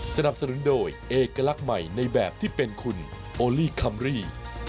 สนับสนุนโดยเอกลักษณ์ใหม่ในแบบที่เป็นคุณโอลี่คัมรี่